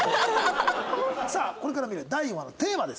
さあこれから見る第４話のテーマです。